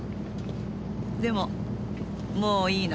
でももういいの。